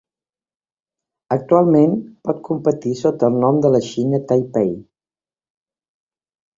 Actualment, pot competir sota el nom de la Xina Taipei.